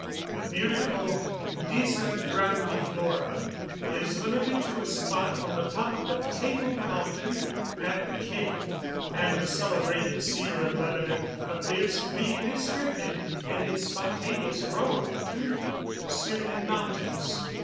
The beautiful Disa grandiflora is limited to a spot on the top of the Table Mountain at the Cape; and the celebrated cedar of Lebanon appears to be restricted in its spontaneous growth to the Syrian mountains.